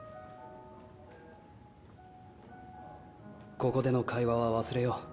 ここでの会話は忘れよう。